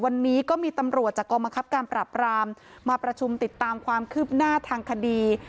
วันนี้ก็มีตำรวจจากกองบังคับการปรับรามมาประชุมติดตามความคืบหน้าทางคดี